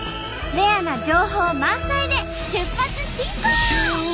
レアな情報満載で出発進行！